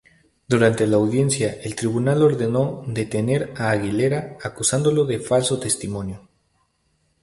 Durante la audiencia el tribunal ordenó detener a Aguilera acusándolo de falso testimonio.